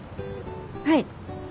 はい。